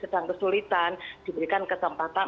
sedang kesulitan diberikan kesempatan